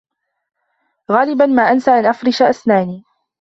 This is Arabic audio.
غالبا ما أنسى أن أفرش أسناني.